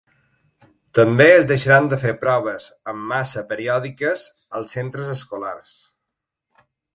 També es deixaran de fer proves en massa periòdiques als centres escolars.